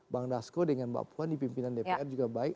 bang dasko dengan mbak puan di pimpinan dpr juga baik